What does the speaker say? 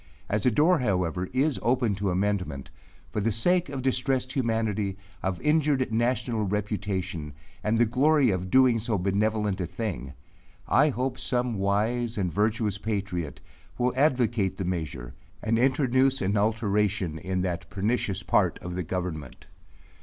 As a door, however, is open to amendment, for the sake of distressed humanity, of injured national reputation, and the glory of doing so benevolent a thing, I hope some wise and virtuous patriot will advocate the measure, and introduce an alteration in that pernicious part of the government.